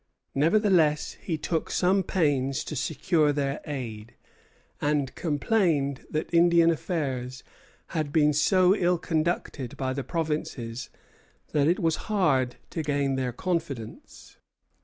Nevertheless he took some pains to secure their aid, and complained that Indian affairs had been so ill conducted by the provinces that it was hard to gain their confidence.